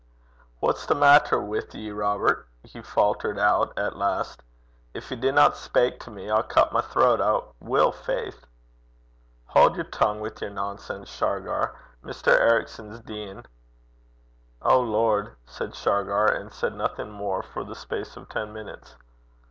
'What's the maitter wi' ye, Robert?' he faltered out at last. 'Gin ye dinna speyk to me, I'll cut my throat. I will, faith!' 'Haud yer tongue wi' yer nonsense, Shargar. Mr. Ericson's deein'.' 'O lord!' said Shargar, and said nothing more for the space of ten minutes.